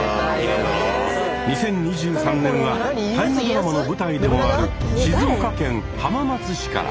２０２３年は大河ドラマの舞台でもある静岡県浜松市から。